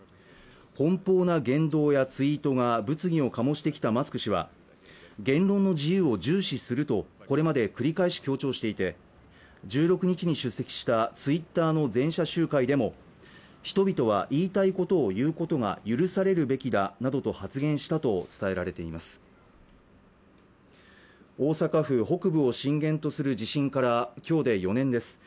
奔放な言動やツイートが物議を醸してきたマスク氏は言論の自由を重視するとこれまで繰り返し強調していて１６日に出席したツイッターの全社集会でも人々は言いたいことを言うことが許されるべきだなどと発言したと伝えられています大阪府北部を震源とする地震からきょうで４年です